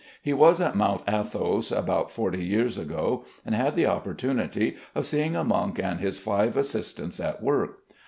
He was at Mount Athos about forty years ago, and had the opportunity of seeing a monk and his five assistants at work.